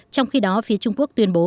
trong khi đó phía trung quốc tuyên bố